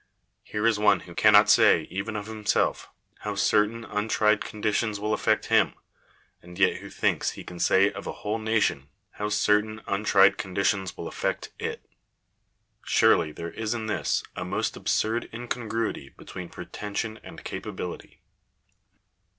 Here is one who cannot say even of him self how certain untried conditions will affect him, and yet who thinks he can say of a whole nation how certain untried con ditions will affect it! Surely there is in this, a most absurd incongruity between pretension and capability.